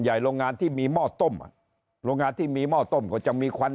โรงงานที่มีหม้อต้มอ่ะโรงงานที่มีหม้อต้มก็จะมีควัน